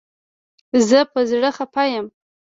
زه په زړه خپه یم